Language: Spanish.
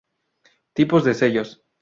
Tipos de sellos;